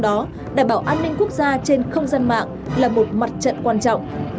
để đảm bảo an ninh quốc gia trên không gian mạng là một mặt trận quan trọng